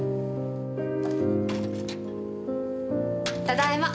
ただいま。